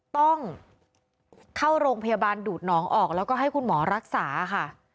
ต้องเข้าโรงพยาบาลดูดหนองออกแล้วก็ให้คุณหมอรักษาค่ะ